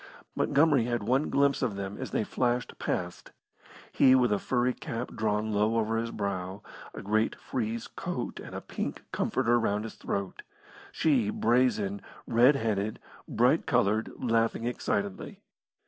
Montgomery had one glimpse of them as they flashed past; he with a furry cap drawn low over his brow, a great frieze coat and a pink comforter round his throat; she brazen, red headed, bright coloured, laughing excitedly.